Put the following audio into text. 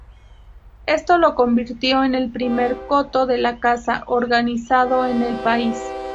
Esto lo convirtió en el primer coto de caza organizado en el país.